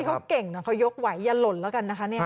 เขาเก่งนะเขายกไหวอย่าหล่นแล้วกันนะคะ